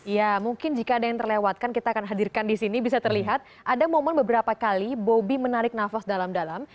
ya mungkin jika ada yang terlewatkan kita akan hadirkan di sini bisa terlihat ada momen beberapa kali bobby menarik nafas dalam dalam